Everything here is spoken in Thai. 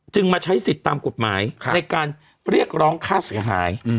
มาใช้สิทธิ์ตามกฎหมายในการเรียกร้องค่าเสียหาย